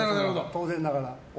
当然ながら。